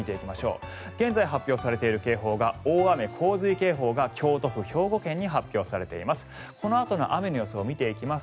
現在発表されている警報は大雨・洪水警報が京都府、兵庫県に発表されています。